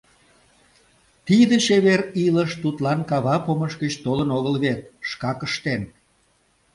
Тиде чевер илыш тудлан кава помыш гыч толын огыл вет, шкак ыштен...